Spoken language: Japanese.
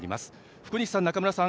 福西さん、中村さん